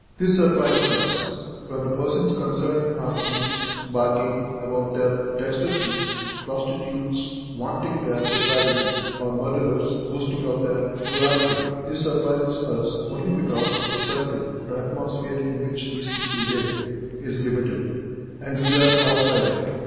This surprises us, where the persons concerned are thieves, bragging about their dexterity, prostitutes vaunting their depravity, or murderers boasting of their cruelty. This surprises us only because the circle, the atmosphere in which these people live, is limited, and we are outside it.